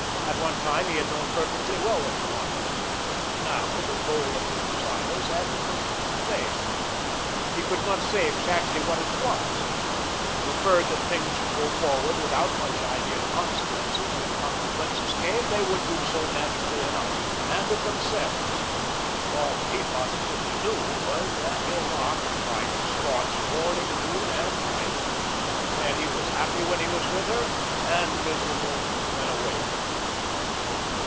At one time he had known perfectly well what he wanted. Now, the goal of his desires had become vague. He could not say exactly what it was. He preferred that things should go forward without much idea of consequences; if consequences came, they would do so naturally enough, and of themselves; all that he positively knew was that Hilma occupied his thoughts morning, noon, and night; that he was happy when he was with her, and miserable when away from her.